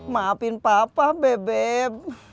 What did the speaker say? maafin papa bebek